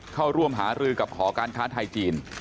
เข้าร่วมหารือกับหอการค้าไทยจีน